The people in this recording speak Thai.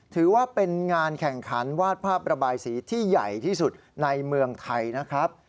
ถือว่าเป็นงานแข่งขันวาดภาพระบายสีที่ใหญ่ที่สุดในเมืองไทยนะครับ